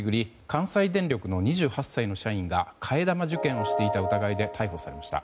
関西電力の２８歳の社員が替え玉受験をしていた疑いで逮捕されました。